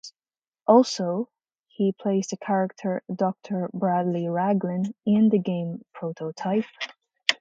Also, he plays the character Doctor Bradley Ragland in the game "Prototype".